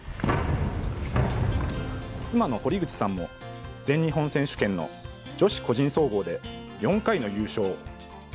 妻の堀口さんも、全日本選手権の女子個人総合で４回の優勝。